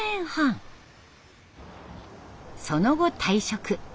その後退職。